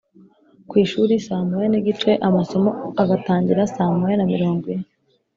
ku ishuri saa moya n’igice, amasomo agatangira saa moya na mirongo ine